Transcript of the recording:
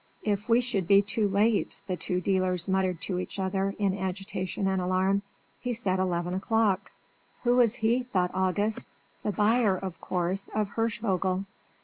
"If we should be too late!" the two dealers muttered to each other, in agitation and alarm. "He said eleven o'clock." "Who was he?" thought August; "the buyer, of course, of Hirschvogel."